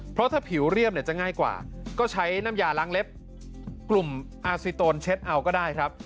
เพราะถ้าผิวเรียบเนี่ยจะง่ายกว่าก็ใช้น้ำยาล้างเล็บกลุ่มอาซิโตนเช็ดเอาก็ได้ครับ